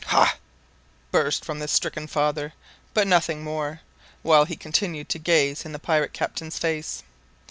"Hah!" burst from the stricken father; but nothing more, while he continued to gaze in the pirate captain's face.